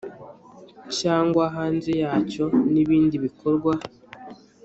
cyangwa hanze yacyo n ibindi bikorwa